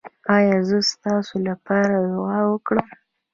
ایا زه ستاسو لپاره دعا وکړم؟